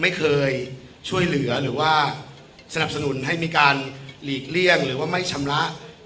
ไม่เคยช่วยเหลือหรือว่าสนับสนุนให้มีการหลีกเลี่ยงหรือว่าไม่ชำระ